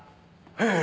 ええ。